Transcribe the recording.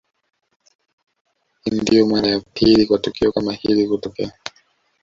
Hii ndio mara ya pili kwa tukio kama hilo kutokea